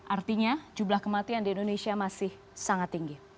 artinya jumlah kematian di indonesia masih sangat tinggi